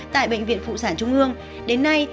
tại bệnh viện phụ sản trung ương đến nay